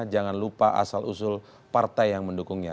jangan lupa asal usul partai yang mendukungnya